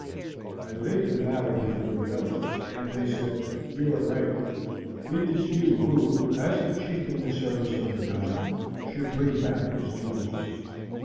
"I laid the matter before the others, and they said, 'You are right; it is you who, as the chief in the service of the god, should bring back his jewels.'